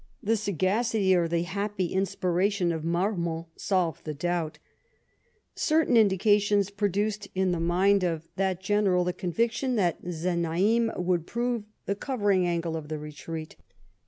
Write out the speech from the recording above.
The sagacity or the happy inspiration of Marmont solved the doubt. Certain indications produced in the mind of that E 2 52 LIFE OF PBINCE METTEBNICE. general the conviction that Znaim would prove the covering angle of the retreat.